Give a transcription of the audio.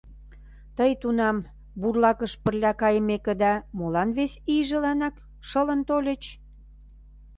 Тый тунам, бурлакыш пырля кайымекыда, молан вес ийжыланак шылын тольыч?